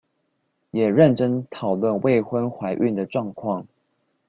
也認真討論未婚懷孕的狀況